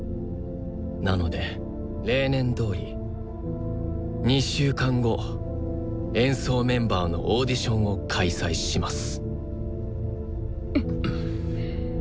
なので例年どおり２週間後演奏メンバーのオーディションを開催します。